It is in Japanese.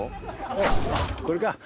おおこれか。